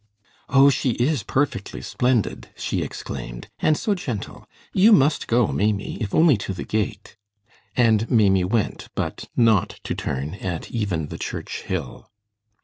"Oh, she is perfectly splendid!" she exclaimed. "And so gentle. You must go, Maimie, if only to the gate." And Maimie went, but not to turn at even the church hill.